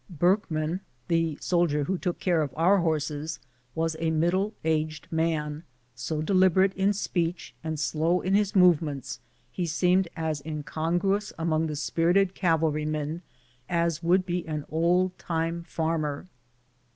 Burkman, the soldier who took care of our horses, was a middle aged man, so deliberate in speech and slow in his movements, he seemed as incongruous among the spirited cavalrymen as w^ould be an old time farmer.